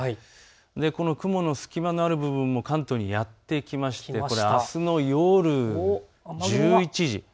この雲の隙間のある部分も関東にやって来てこれはあすの夜１１時。